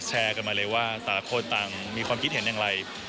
แชร์กันมาเลยว่าต่างคนต่างมีความคิดเห็นอย่างไร